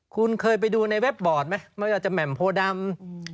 คุณเคยไปดูในเว็บบอร์ดไหมไม่ว่าจะแหม่มโพดำ